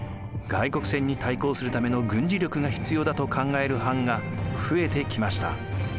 外国船に対抗するための軍事力が必要だと考える藩が増えてきました。